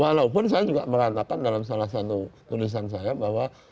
walaupun saya juga mengatakan dalam salah satu tulisan saya bahwa